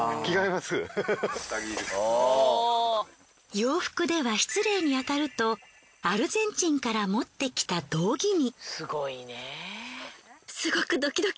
洋服では失礼にあたるとアルゼンチンから持ってきた道着に。